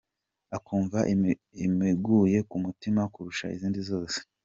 akumva imuguye ku mutima kurusha izindi zose.